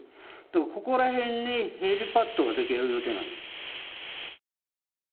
ここら辺にヘリパッドができる予定です。